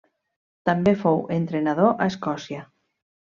També fou entrenador a Escòcia.